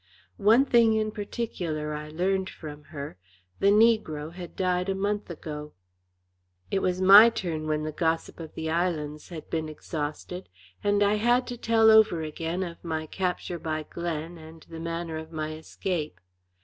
One thing in particular I learned from her, the negro had died a month ago. It was my turn when the gossip of the islands had been exhausted, and I had to tell over again of my capture by Glen and the manner of my escape.